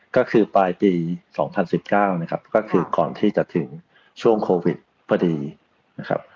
ก็คือปลายปี๒๐๑๙นะครับก็คือก่อนที่จะถึงช่วงโควิดพอดีนะครับ